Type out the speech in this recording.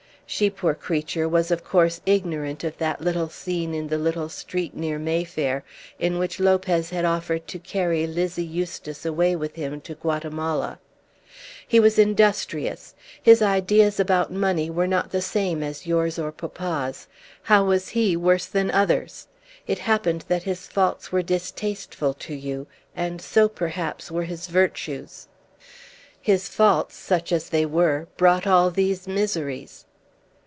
She, poor creature, was of course ignorant of that little scene in the little street near May Fair, in which Lopez had offered to carry Lizzie Eustace away with him to Guatemala. "He was industrious. His ideas about money were not the same as yours or papa's. How was he worse than others? It happened that his faults were distasteful to you and so, perhaps, were his virtues." "His faults, such as they were, brought all these miseries."